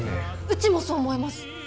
うちもそう思います！